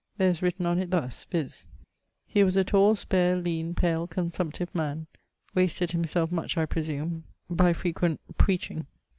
There is written on it thus, viz.: ... He was a tall spare leane pale consumptive man; wasted himself much, I presume, by frequent preaching.